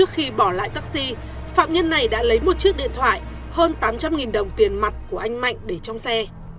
khi bỏ lại taxi phạm nhân này đã lấy một chiếc điện thoại hơn tám trăm linh đồng tiền mặt của anh mạnh để trong xe